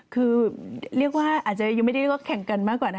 คือเรียกว่าอาจจะยังไม่ได้แข่งกันมากกว่านะ